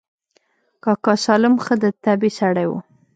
کاکا سالم ښه د طبعې سړى و.